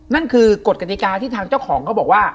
นั่นคือกฎกติกาที่ทางเจ้าของเขาบอกว่า